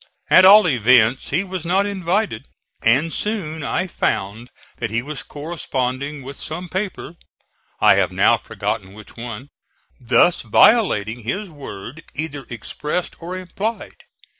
At all events he was not invited, and soon I found that he was corresponding with some paper (I have now forgotten which one), thus violating his word either expressed or implied.